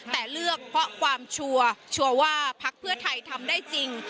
แต่เลือกเพราะความชัวร์ชัวร์ว่าพักเพื่อไทยทำได้จริง